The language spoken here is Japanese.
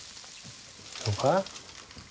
そうか？